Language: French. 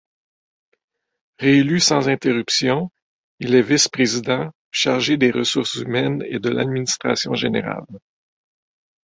Réélu sans interruption, il est vice-président, chargé des ressources humaines et de l’administration générale.